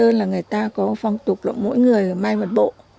lạng sơn là người ta có phong tục là mỗi người may một bộ